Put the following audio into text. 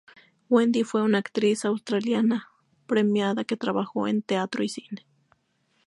Wendy fue una actriz australiana premiada que trabajó en teatro y cine.